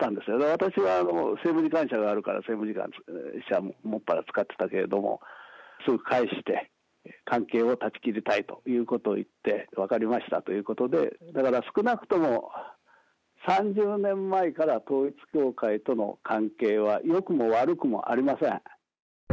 私は政務次官車があるから、政務次官車、もっぱら使ってたけれども、それを返して、関係を断ち切りたいということを言って、分かりましたということで、だから、少なくとも３０年前から、統一教会との関係は、よくも悪くもありません。